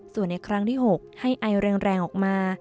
ส่วนในครั้งที่๖ให้ไอแรงออกมา